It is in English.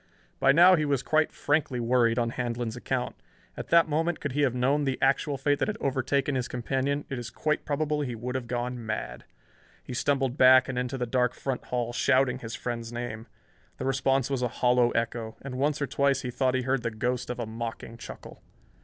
By now he was quite frankly worried on Handlon's account. At that moment, could he have known the actual fate that had overtaken his companion, it is quite probable he would have gone mad. He stumbled back and into the dark front hall, shouting his friend's name. The response was a hollow echo, and once or twice he thought he heard the ghost of a mocking chuckle.